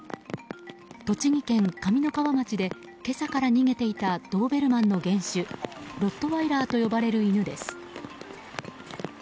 栃木県上三川町で今朝から逃げていたドーベルマンの原種ロットワイラーと呼ばれる犬です。